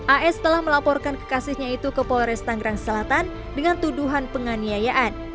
as telah melaporkan kekasihnya itu ke polres tanggerang selatan dengan tuduhan penganiayaan